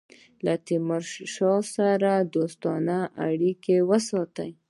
له تیمورشاه سره دوستانه اړېکي وساتي.